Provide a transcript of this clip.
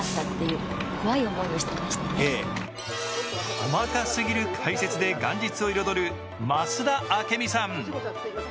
細かすぎる解説で元日を彩る増田明美さん。